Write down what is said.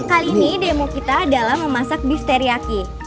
kali ini demo kita adalah memasak beef teriyaki